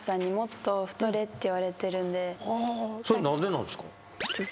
それ何でなんですか？